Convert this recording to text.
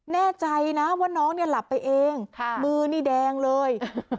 แน่ใจนะว่าน้องเนี่ยหลับไปเองมือนี่แดงเลย